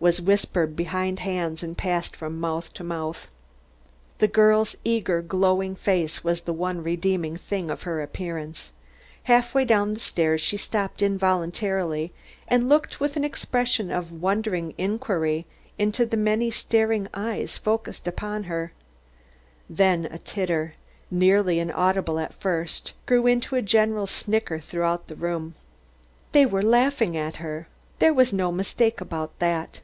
was whispered behind hands and passed from mouth to mouth. The girl's eager glowing face was the one redeeming thing of her appearance. Half way down the stairs she stopped involuntarily and looked with an expression of wondering inquiry into the many staring eyes focused upon herself. Then a titter, nearly inaudible at first, grew into a general snicker throughout the room. They were laughing at her! There was no mistake about that.